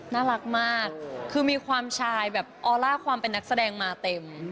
น่ารักมากคือมีความชายแบบออร่าความเป็นนักแสดงมาเต็ม